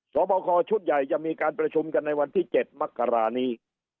สอบคอชุดใหญ่จะมีการประชุมกันในวันที่๗มกรานี้